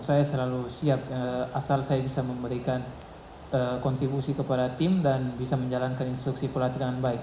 saya selalu siap asal saya bisa memberikan kontribusi kepada tim dan bisa menjalankan instruksi pelatih dengan baik